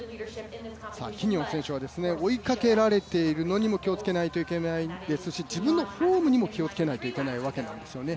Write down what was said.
キニオン選手は追いかけられているのにも気をつけないといけないわけですし自分のフォームにも気をつけないといけないわけなんですよね。